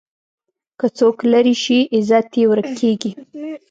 که څوک لرې شي، عزت یې ورک کېږي.